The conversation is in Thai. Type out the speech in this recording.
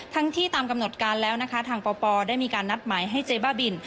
ที่ตามกำหนดการแล้วนะคะทางปปได้มีการนัดหมายให้เจ๊บ้าบิน